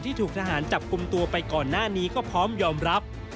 ถูกทหารจับกลุ่มตัวไปก่อนหน้านี้ก็พร้อมยอมรับ